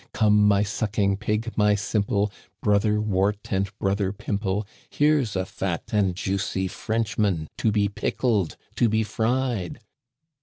Come, my Sucking Pig, my Simple, Brother Wart and Brother Pimple ; Here's a fat and juicy Frenchman To be pickled, to be fried